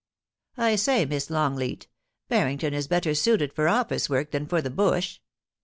I say. Miss Longleat, Bar rington is better suited for office work than for the bush.